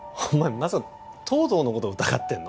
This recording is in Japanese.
まさか東堂のこと疑ってんの？